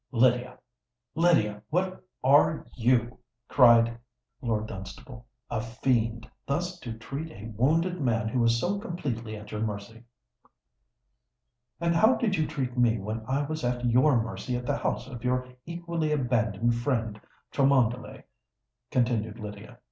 "Lydia—Lydia, what are you?" cried Lord Dunstable; "a fiend—thus to treat a wounded man who is so completely at your mercy!" "And how did you treat me when I was at your mercy at the house of your equally abandoned friend Cholmondeley?" continued Lydia.